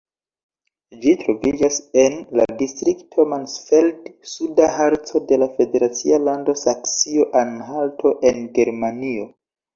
Ĝi troviĝas en la distrikto Mansfeld-Suda Harco de la federacia lando Saksio-Anhalto en Germanio.